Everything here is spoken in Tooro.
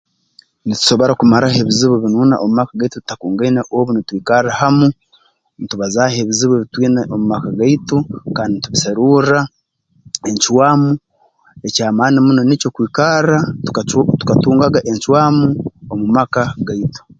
Nitusobora kumaraho ebizibu binuuna mu maka gaitu tutakungaine obu nitwikarra hamu ntubazaaho ebizibu ebi twina omu maka gaitu kandi ntubiserurra encwamu eky'amaani muno nikyo kwikarra tukac tukatungaga encwamu omu maka gaitu